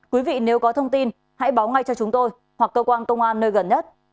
quý vị nếu có thông tin hãy báo ngay cho chúng tôi hoặc cơ quan công an nơi gần nhất